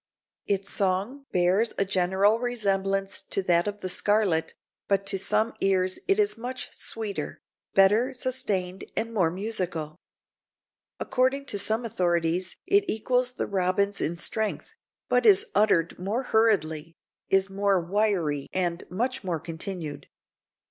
Its song bears a general resemblance to that of the scarlet, but to some ears is much sweeter, better sustained and more musical. According to some authorities it equals the robin's in strength, but is uttered more hurriedly, is more "wiry" and much more continued.